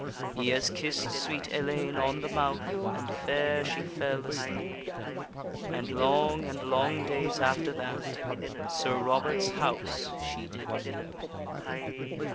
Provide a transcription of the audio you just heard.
He has kiss'd sweet Ellayne on the mouth, And fair she fell asleep, And long and long days after that Sir Robert's house she did keep.